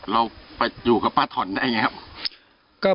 เราไปอยู่กับป้าถอนได้ไงครับ